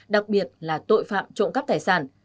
đặc biệt là tội phạm trộm cắp tài sản